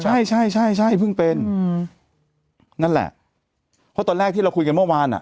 ใช่ใช่ใช่ใช่เพิ่งเป็นอืมนั่นแหละเพราะตอนแรกที่เราคุยกันเมื่อวานอ่ะ